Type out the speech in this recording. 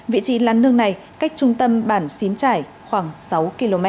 vị trí lán nương này cách trung tâm bản xín trải khoảng sáu km